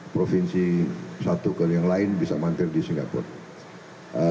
provinsi satu ke yang lain bisa mampir di singapura